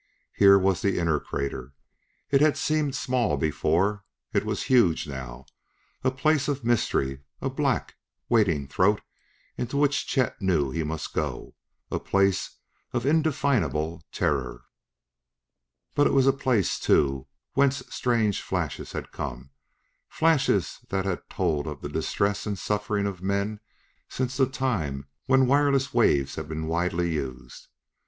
Here was the inner crater! It had seemed small before; it was huge now a place of mystery, a black, waiting throat into which Chet knew he must go a place of indefinable terror. But it was the place, too, whence strange flashes had come, flashes that had told of the distress and suffering of men since the time when wireless waves had been widely used.